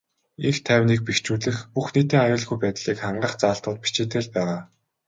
Энх тайвныг бэхжүүлэх, бүх нийтийн аюулгүй байдлыг хангах заалтууд бичээтэй л байгаа.